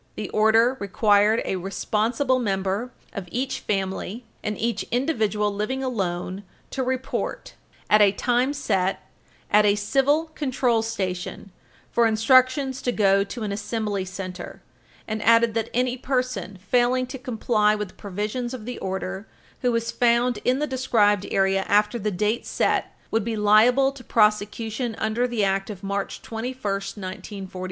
The order required a responsible member of each family and each individual living alone to report, at a time set, at a Civil Control Station for instructions to go to an Assembly Center, and added that any person failing to comply with the provisions of the order who was found in the described area after the date set would be liable to prosecution under the Act of March 21, 1942, supra.